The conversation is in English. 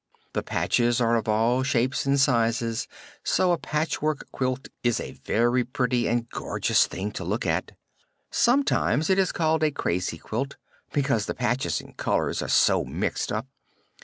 The patches are of all shapes and sizes, so a patchwork quilt is a very pretty and gorgeous thing to look at. Sometimes it is called a 'crazy quilt,' because the patches and colors are so mixed up.